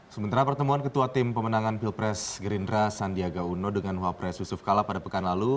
sementara pertemuan ketua tim pemenangan pilpres gerindra sandiaga uno dengan wapres yusuf kala pada pekan lalu